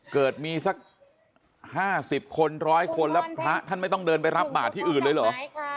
เกิดมีสัก๕๐คน๑๐๐คนแล้วพระท่านไม่ต้องเดินไปรับบาทที่อื่นเลยเหรอ